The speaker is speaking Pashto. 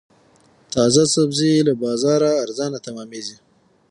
تازه سبزي له بازاره ارزانه تمامېږي.